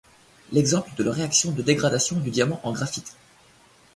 L'exemple de la réaction de dégradation du diamant en graphite.